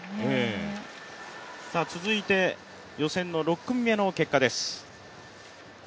続いて予選の６組目の結果です。